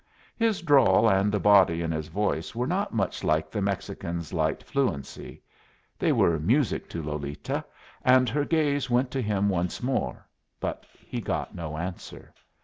His drawl and the body in his voice were not much like the Mexican's light fluency. They were music to Lolita, and her gaze went to him once more, but he got no answer.